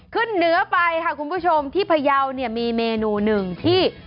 ขึ้นเหนือไปค่ะคุณผู้ชมที่พยาวเนี่ยมีเมนูหนึ่งที่